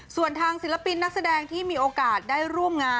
ส่วนทางศิลปินนักแสดงที่มีโอกาสได้ร่วมงาน